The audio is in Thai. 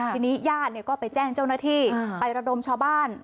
ทีนี้ญาติก็ไปแจ้งเจ้าหน้าที่ไประดมชาวบ้าน